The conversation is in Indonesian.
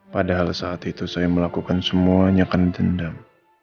padahal saat itu saya melakukan semua hanya karena dendam